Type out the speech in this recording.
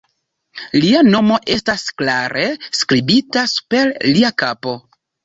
Lia nomo estis klare skribita super lia kapo.